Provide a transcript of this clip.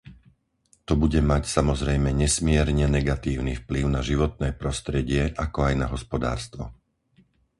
To bude mať, samozrejme, nesmierne negatívny vplyv na životné prostredie, ako aj na hospodárstvo.